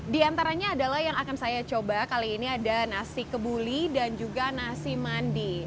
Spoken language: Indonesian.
di antaranya adalah yang akan saya coba kali ini ada nasi kebuli dan juga nasi mandi